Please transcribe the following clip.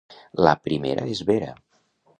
La primera és vera.